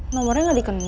nomornya gak dikenal